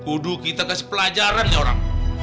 udah kita kasih pelajaran ya orang